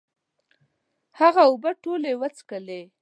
هغه اوبه ټولي وڅکلي